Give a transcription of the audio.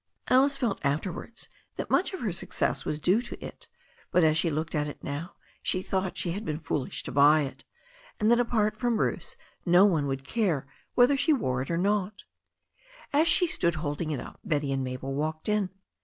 Alice felt afterwards that much of her success was due to it, but as she looked at it now she thought she had been foolish to buy it, and that 290 THE STORY OF A NEW ZEALAND RIVER apart from Bruce no one would care whether she wore it or not As she stood holding it up Betty and Mabel walked in.